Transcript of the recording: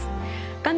画面